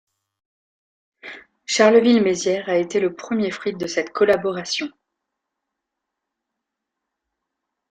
Charleville-Mézières a été le premier fruit de cette collaboration.